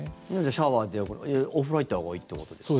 シャワーでお風呂入ったほうがいいということですか？